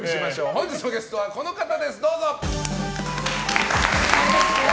本日のゲストはこの方です。